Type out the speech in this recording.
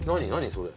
それ。